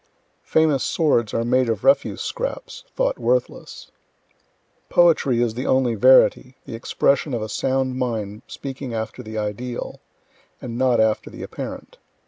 _ Famous swords are made of refuse scraps, thought worthless. Poetry is the only verity the expression of a sound mind speaking after the ideal and not after the apparent.